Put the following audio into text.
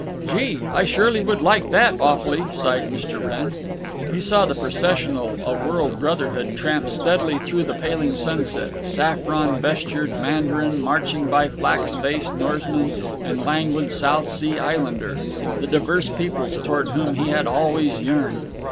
"Gee! I surely would like that, awfully," sighed Mr. Wrenn. He saw the processional of world brotherhood tramp steadily through the paling sunset; saffron vestured Mandarin marching by flax faced Norseman and languid South Sea Islander—the diverse peoples toward whom he had always yearned.